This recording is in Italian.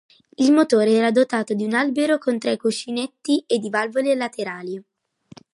Il motore era dotato di un albero con tre cuscinetti e di valvole laterali.